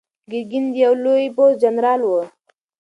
ګرګین د یوه لوی پوځ جنرال و.